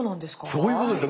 そういうことですか。